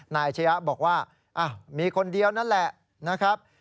นายชะยะบอกว่ามีคนเดียวนั่นแหละนะครับ